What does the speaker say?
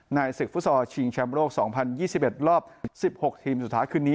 ศึกฟุตซอลชิงแชมป์โลก๒๐๒๑รอบ๑๖ทีมสุดท้ายคืนนี้